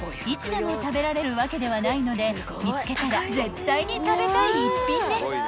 いつでも食べられるわけではないので見つけたら絶対に食べたい一品です］